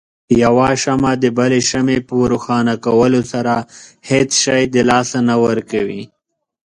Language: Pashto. يوه شمعه دبلې شمعې په روښانه کولو سره هيڅ شی د لاسه نه ورکوي.